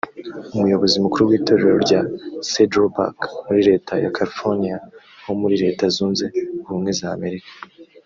Umuyobozi mukuru w’Itorero rya Saddleback muri Leta ya California ho muri Leta Zunze Ubumwe za Amerika